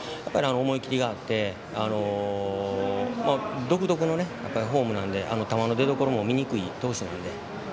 思い切りがあって独特のフォームなので、球の出どころも見にくい投手なので。